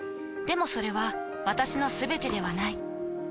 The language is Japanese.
でもそれは私のすべてではない。